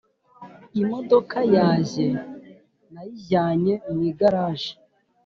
Imodoka yajye nayijyanye mwigaraje